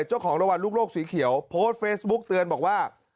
เจ้าของรางวัลลูกโลกสีเขียวโพสต์เฟซบุ๊กเตือนบอกว่า